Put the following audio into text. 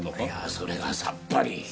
いやそれがさっぱり。